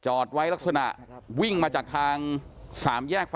จนกระทั่งหลานชายที่ชื่อสิทธิชัยมั่นคงอายุ๒๙เนี่ยลูกชายของพี่สาวเนี่ยรู้ว่าแม่เนี่ยรู้ว่าแม่กลับบ้าน